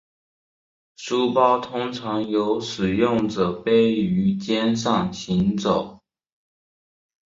书包通常由使用者背于肩上行走。